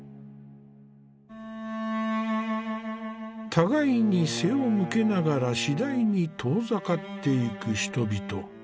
互いに背を向けながら次第に遠ざかっていく人々。